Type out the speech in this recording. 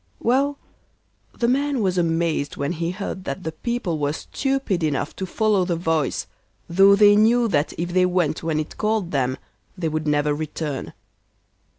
Well, the man was amazed when he heard that the people were stupid enough to follow the voice, though they knew that if they went when it called them they would never return.